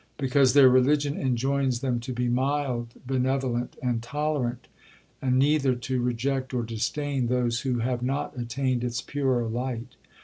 '—'Because their religion enjoins them to be mild, benevolent, and tolerant; and neither to reject or disdain those who have not attained its purer light.'